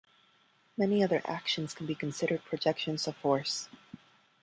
Many other actions can be considered projections of force.